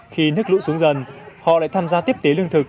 khi nước lũ xuống dần họ lại tham gia tiếp tế lương thực